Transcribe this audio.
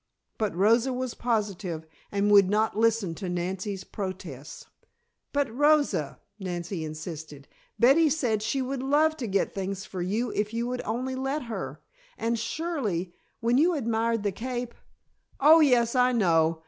But Rosa was positive and would not listen to Nancy's protests. "But, Rosa," Nancy insisted, "Betty said she would love to get things for you if you would only let her. And surely, when you admired the cape " "Oh, yes, I know.